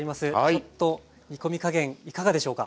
ちょっと煮込み加減いかがでしょうか？